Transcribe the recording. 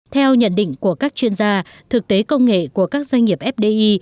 theo nhận định của các chuyên gia thực tế công nghệ của các doanh nghiệp fdi